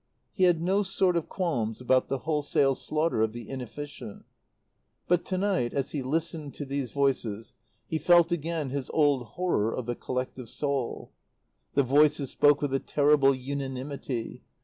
He had no sort of qualms about the wholesale slaughter of the inefficient. But to night, as he listened to these voices, he felt again his old horror of the collective soul. The voices spoke with a terrible unanimity.